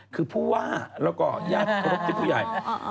คือผู้ว่าแล้วก็ญาติพระพุทธทิศผู้ใหญ่